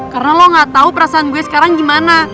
karena lo ga tau perasaan gue sekarang gimana